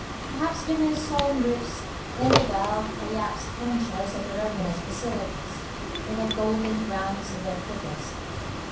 Perhaps the most solemn roofs in the world are the apse conchas of the Romanesque basilicas, with their golden ground and severe figures.